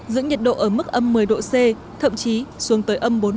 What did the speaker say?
giữ nhiệt độ ở mức âm một mươi độ c thậm chí xuống tới âm bốn mươi độ